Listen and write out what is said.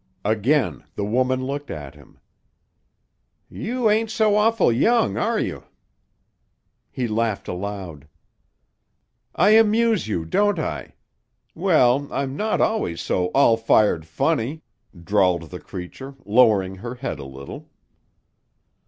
Again the woman looked at him. "You ain't so awful young, are you?" He laughed aloud. "I amuse you, don't I? Well, I'm not always so all fired funny," drawled the creature, lowering her head a little.